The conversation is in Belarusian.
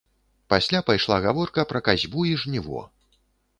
Пасля пайшла гаворка пра касьбу і жніво.